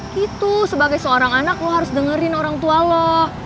gitu sebagai seorang anak lo harus dengerin orang tua lo